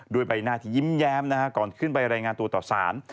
ด้วยใบหน้าที่ยิ้มแยมก่อนขึ้นไปไร่งานตัวต่อสาร